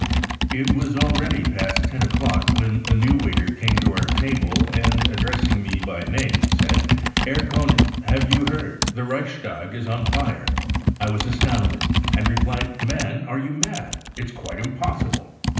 "It was already past ten o'clock when the new waiter came up to our table and, addressing me by name, said : 4 Herr Koenen, have you heard, the Reichstag is on fire.' I was astounded, and replied :* Man, are you mad ? It's quite impossible